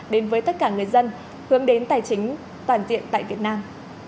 đến với tất cả người dân hướng đến tài chính toàn diện tại việt nam